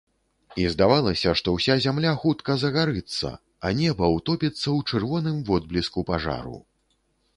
І здавалася, што ўся зямля хутка загарыцца, а неба ўтопіцца ў чырвоным водбліску пажару.